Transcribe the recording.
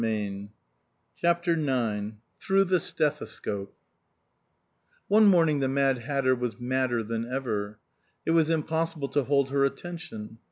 293 CHAPTER IX THROUGH THE STETHOSCOPE ONE morning the Mad Hatter was madder than ever. It was impossible to hold her attention.